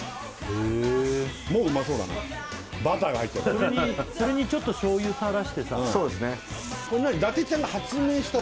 もううまそうだなバターが入ったからそれにちょっとしょうゆ垂らしてさそうですね